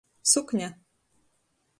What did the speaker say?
Sukne.